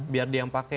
biar dia yang pakai